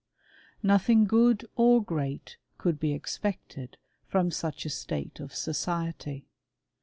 Nothing good or great could be expected from such * state of society.